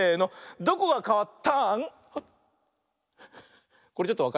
どこがかわった？